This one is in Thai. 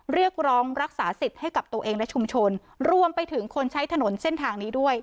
เรียกร้องรักษาสิทธิ์ให้กับตัวเองและชุมชนรวมไปถึงคนใช้ถนนเส้นทางนี้ด้วย